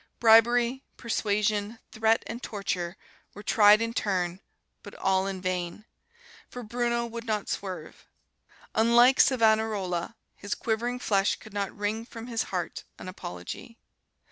Bribery, persuasion, threat and torture were tried in turn, but all in vain, for Bruno would not swerve. Unlike Savonarola his quivering flesh could not wring from his heart an apology.